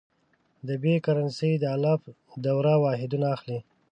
د ب کرنسي د الف دوه واحدونه اخلي.